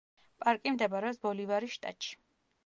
პარკი მდებარეობს ბოლივარის შტატში.